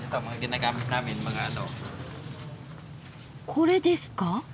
これですか？